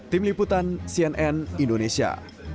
tim liputan cnn indonesia